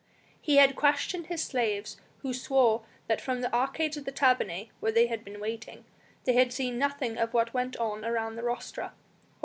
He had questioned his slaves who swore that from the arcades of the tabernae, where they had been waiting, they had seen nothing of what went on around the rostra.